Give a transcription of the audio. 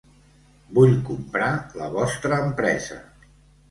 Vull comprar la vostra empresa.